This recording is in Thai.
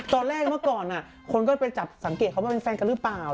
ตอนแรกเมื่อก่อนคนก็ไปจับสังเกตเขาว่าเป็นแฟนกันหรือเปล่า